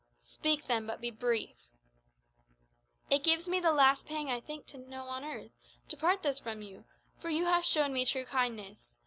"Speak then; but be brief." "It gives me the last pang I think to know on earth, to part thus from you; for you have shown me true kindness.